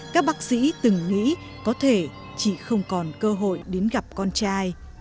các bác sĩ từng nghĩ có thể chị không còn cơ hội đến gặp con trai